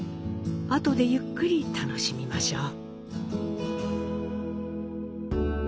あとでゆっくり楽しみましょう。